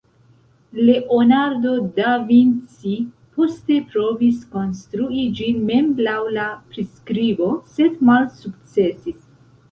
Leonardo da Vinci poste provis konstrui ĝin mem laŭ la priskribo, sed malsukcesis.